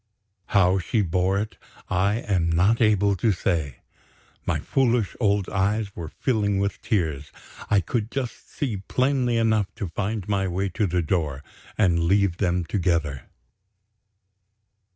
How she bore it I am not able to say. My foolish old eyes were filling with tears. I could just see plainly enough to find my way to the door, and leave them together.